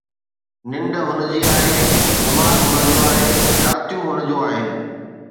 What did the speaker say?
ننڊ هن جي آهي، دماغ هن جو آهي، راتيون هن جون آهن